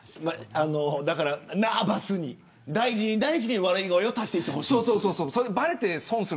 ナーバスに大事に笑い声を足していってほしい。